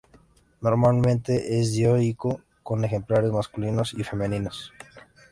Normalmente es dioico, con ejemplares masculinos y femeninos.